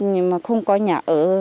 nhưng mà không có nhà ở